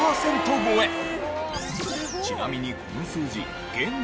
ちなみに。